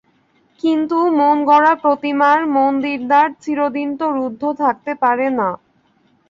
কিন্তু মনগড়া প্রতিমার মন্দিরদ্বার চিরদিন তো রুদ্ধ থাকতে পারে না।